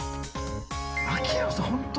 ◆秋山さん、本当